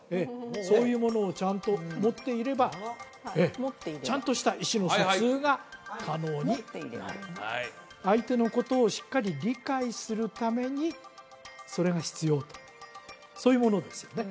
そういうものをちゃんと持っていればちゃんとした意思の疎通が可能になる相手のことをしっかり理解するためにそれが必要とそういうものですよね